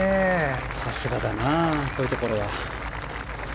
さすがだなこういうところは。